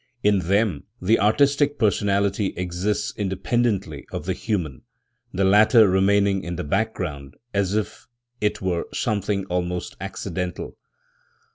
In them the artistic personality exists independently of the human, the latter remaining in the background as if it were something almost accidental.